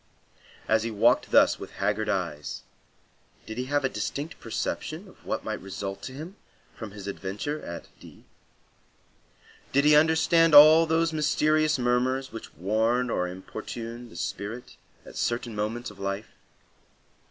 As he walked thus with haggard eyes, did he have a distinct perception of what might result to him from his adventure at D——? Did he understand all those mysterious murmurs which warn or importune the spirit at certain moments of life?